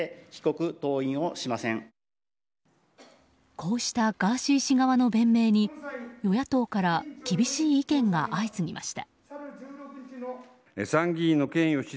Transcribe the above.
こうしたガーシー氏側の弁明に与野党から厳しい意見が相次ぎました。